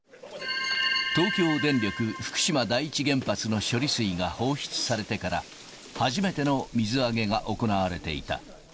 東京電力福島第一原発の処理水が放出されてから、初めての水揚げが行われていた。